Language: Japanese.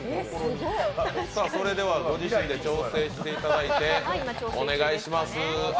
ご自身で調整していただいてお願いします。